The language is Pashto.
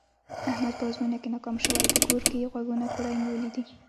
احمد په ازموینه کې ناکام شوی، په کور کې یې غوږونه کوړی نیولي دي.